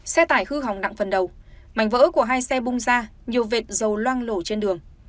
xe tài hư hỏng đặng phần đầu mảnh vỡ của hai xe bung ra nhiều vệt dầu loang lổ trên đường